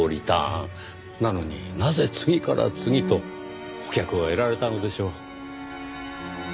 なのになぜ次から次と顧客を得られたのでしょう？